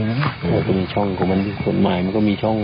ถ้ามันมีช่องของมันมีก็มีช่อง